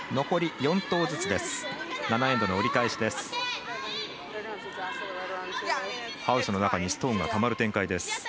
残り４投ずつです。